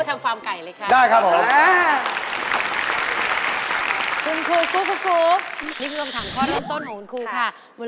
แต่อันนี้เดินกินก็ได้อันนี้ทูกที่สุด